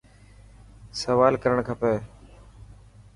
سوال ڪرڻ کٽي.